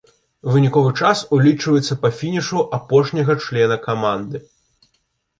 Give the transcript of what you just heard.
Выніковы час улічваецца па фінішу апошняга члена каманды.